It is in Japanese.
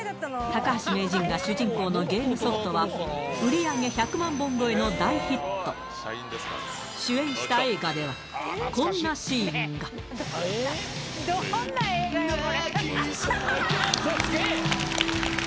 高橋名人が主人公のゲームソフトは売り上げの大ヒット主演した映画ではこんなシーンがどんな映画よこれ。